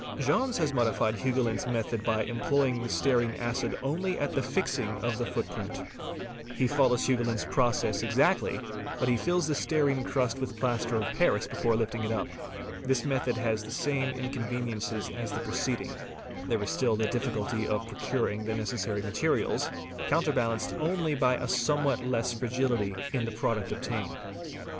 Jaumes 8 has modified Hugoulin's method by employing stearine acid only at the fixing of the footprint. He follows Hugoulin's process ex — actly, but he fills the stearine crust with plaster of paris before lifting it up. This method has the same inconveniences as the preceding ; nike Si ek a jE Ae ~ there is still the difficulty of procuring the necessary materials, counter _ balanced only by a somewhat less fragility in the product obtained.